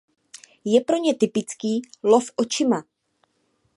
Je pro ně typický "lov očima".